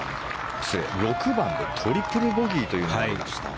６番でトリプルボギーというのがありました。